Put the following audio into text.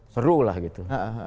seru lah gitu